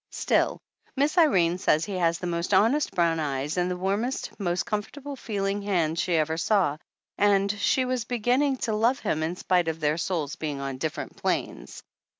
Still, Miss Irene says he has the most honest brown eyes and the warmest, most comfortable feeling hands she ever saw and she was beginning to 235 THE ANNALS OF ANN love him in spite of their souls being on differ ent planes.